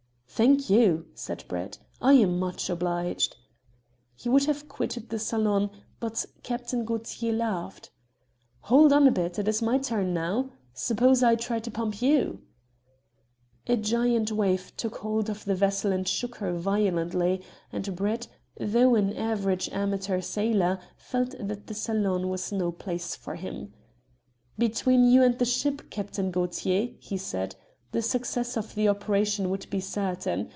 "Thank you," said Brett. "I am much obliged." He would have quitted the saloon, but Captain Gaultier laughed "Hold on a bit: it is my turn now. Suppose I try to pump you." A giant wave took hold of the vessel and shook her violently, and Brett, though an average amateur sailor, felt that the saloon was no place for him. "Between you and the ship, Captain Gaultier," he said, "the success of the operation would be certain.